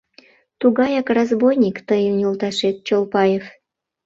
Тугаяк разбойник тыйын йолташет Чолпаев!